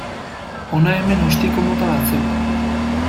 Hona hemen ostiko mota batzuk.